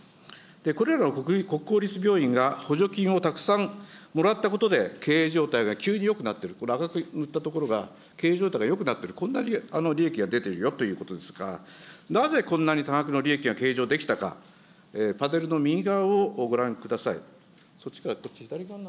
これらの国公立病院が補助金をたくさんもらったことで、経営状態が急によくなっている、これ、赤く塗ったところで、経営状態がよくなっている、こんなに利益が出てるよということですが、なぜこんなに多額の利益が計上できたか、パネルの右側をご覧ください。